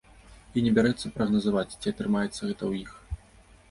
І не бярэцца прагназаваць, ці атрымаецца гэта ў іх.